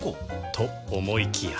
と思いきや